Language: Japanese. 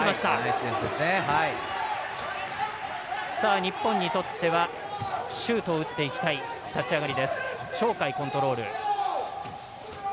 日本にとってはシュートを打っていきたい立ち上がり。